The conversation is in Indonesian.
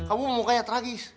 kamu mukanya tragis